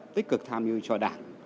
tích cực tham dự cho đảng